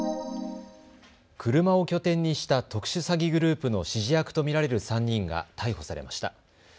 車を拠点にした特殊詐欺グループの指示役と見られる３人が逮捕されました。